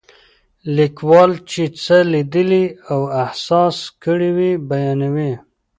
لیکوال چې څه لیدلي او احساس کړي وي بیانوي.